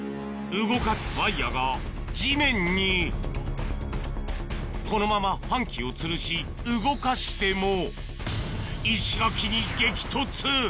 動かすワイヤが地面にこのまま搬器をつるし動かしても石垣に激突